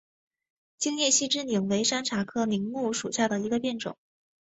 金叶细枝柃为山茶科柃木属下的一个变种。